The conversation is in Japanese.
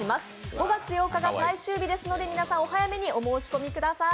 ５月８日が最終日ですので、皆さんお早めにお申し込みください。